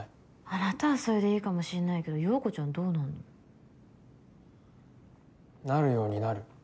あなたはそれでいいかもしんないけど葉子ちゃんどうなんのよ？なるようになる。